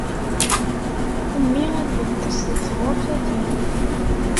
Mmi ad yeṭṭes deg tɣurfatin.